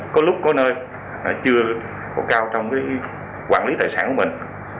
có lúc có nơi chưa có cao trong quản lý tài sản của mình